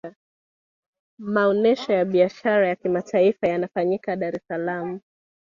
maonesho ya biashara ya kimataifa yanafanyika dar es salaam